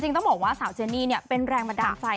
จริงต้องบอกว่าสาวเจนี่เป็นแรงประดับไฟ